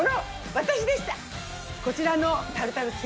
こちらの。